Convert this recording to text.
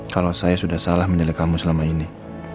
kalau saya sudah salah menjelek kamu selama ini